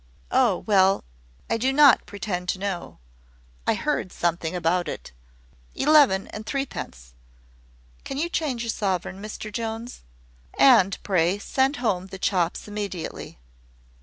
"Oh, well; I do not pretend to know. I heard something about it. Eleven and threepence. Can you change a sovereign, Mr Jones? And, pray, send home the chops immediately."